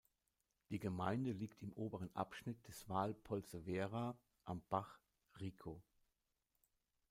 Die Gemeinde liegt im oberen Abschnitt des Val Polcevera am Bach "Riccò".